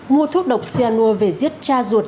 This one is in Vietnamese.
mua thuốc độc xe nua về giết cha ruột